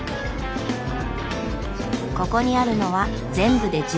ここにあるのは全部で１１台。